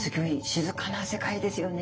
静かな世界ですよね。